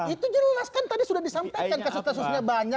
itu jelas kan tadi sudah disampaikan kasus kasusnya banyak